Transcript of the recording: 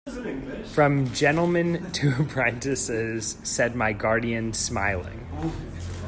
"From gentlemen to apprentices," said my guardian, smiling.